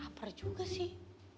lapar juga sih